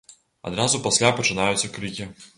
Адразу пасля пачынаюцца крыкі.